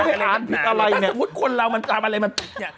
ถ้าสมมุติควรเรามันอาจกลับมาเลย